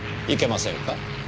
いけませんか？